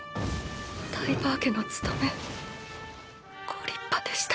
タイバー家の務めご立派でした。